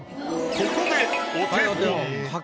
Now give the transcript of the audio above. ここでお手本。